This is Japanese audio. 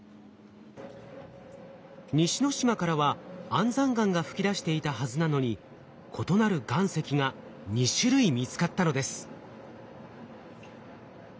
西之島からは安山岩が噴き出していたはずなのに異なる岩石が２種類見つかったのです。